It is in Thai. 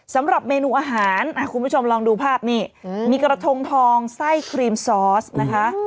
สำหรับเมนูอาหารคุณผู้ชมลองดูภาพนี่มีกระทงทองไส้ครีมซอสนะคะ